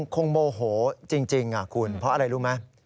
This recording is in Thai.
คงโมโหจริงคุณเพราะอะไรรู้ไหม